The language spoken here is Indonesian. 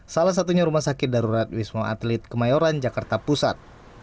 salah satunya rumah sakit darurat wisma atlet kemayoran jakarta pusat